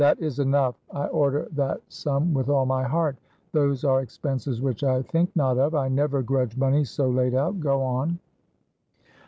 " That is enough; I order that sum with all my heart. Those are expenses which I think not of. I never grudge moneys so laid out. Go on."